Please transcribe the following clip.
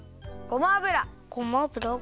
ごま油。